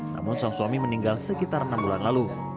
namun sang suami meninggal sekitar enam bulan lalu